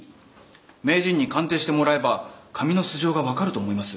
名人に鑑定してもらえば紙の素性が分かると思います。